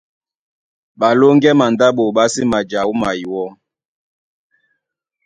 Ɓalóŋgɛ́ mandáɓo ɓá sí maja wúma iwɔ́,